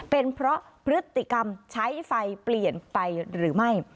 เป็นเพราะพฤติกรรมใช้ไฟเปลี่ยนไปหรือไม่